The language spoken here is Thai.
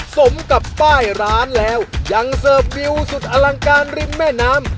สมกับป้ายร้านแล้วยังเสิร์ฟวิวสุดอลังการริมแม่น้ำ